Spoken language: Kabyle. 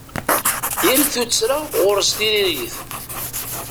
Tal tuttra ɣur-s tiririt.